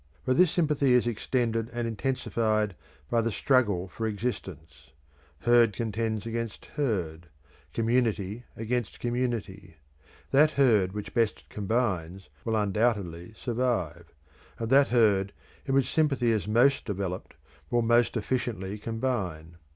But this sympathy is extended and intensified by the struggle for existence; herd contends against herd, community against community; that herd which best combines will undoubtedly survive; and that herd in which sympathy is most developed will most efficiently combine.